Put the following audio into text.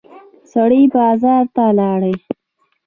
سړی بازار ته لاړ.